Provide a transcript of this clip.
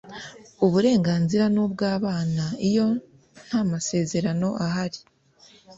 uburenganzira n’ubw’abana iyo nta masezerano ahari